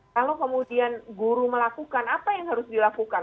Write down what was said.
kalau kemudian guru melakukan apa yang harus dilakukan